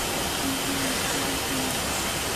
良心能分辨善恶。